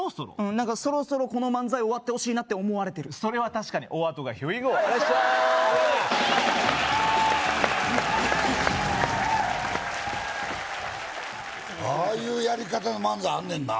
何かそろそろこの漫才終わってほしいなって思われてるそれは確かにおあとがＨｅｒｅｗｅｇｏああいうやり方の漫才あんねんな